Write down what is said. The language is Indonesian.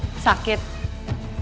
pak lemos sedang laku